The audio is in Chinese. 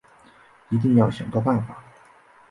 一定要想个办法